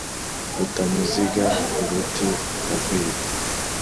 rutamuziga uruti agahwera,